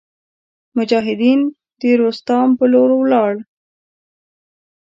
مجاهدین د روستام په لور ولاړل.